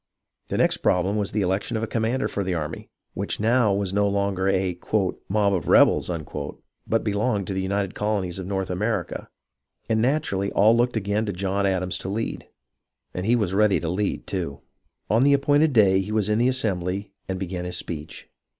THE CHOICE OF A COMMANDER 47 The next problem was the election of a commander for the army, which now was no longer a " mob of rebels," but belonged to the United Colonies of North America ; and naturally all looked again to John Adams to lead. And he was ready to lead, too. On the appointed day he was in the assembly, and began his speech.